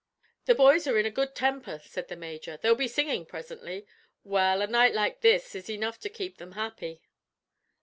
"The boys are in a good temper," said the major. "They'll be singing presently. Well, a night like this is enough to keep them happy."